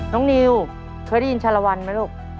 นิวเคยได้ยินชาลวันไหมลูก